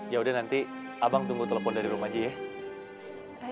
yaudah nanti abang tunggu telepon dari rumah aja ya